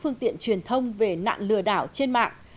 phương tiện truyền thông về nạn lừa đảo trên mạng